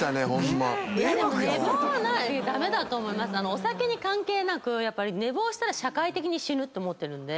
お酒に関係なく寝坊したら社会的に死ぬって思ってるんで。